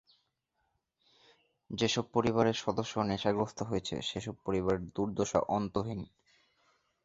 যেসব পরিবারের সদস্য নেশাগ্রস্ত হয়েছে, সেসব পরিবারের দুর্দশা অন্তহীন।